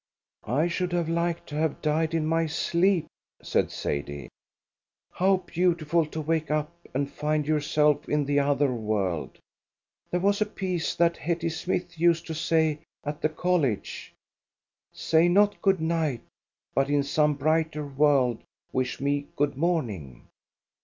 "I should have liked to have died in my sleep," said Sadie. "How beautiful to wake up and find yourself in the other world! There was a piece that Hetty Smith used to say at the College: 'Say not good night, but in some brighter world wish me good morning.